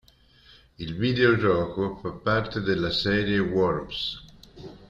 Il videogioco fa parte della serie "Worms".